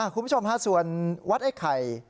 คุณผู้ชมฮะส่วนวัดไอ้ไข่